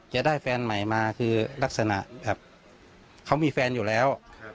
จะได้แฟนใหม่มาคือลักษณะแบบเขามีแฟนอยู่แล้ว